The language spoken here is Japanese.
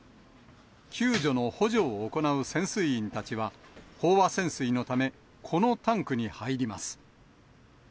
救助の補助を行う潜水員たちは、飽和潜水のため、このタンクに入ります。